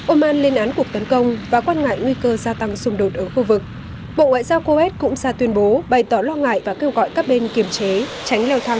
oman lên án cuộc tấn công và quan ngại nguy cơ gia tăng xung đột ở khu vực bộ ngoại giao kuwait cũng ra tuyên bố bày tỏ lo ngại và kêu gọi các bên kiềm chế tránh lao thăng căng thẳng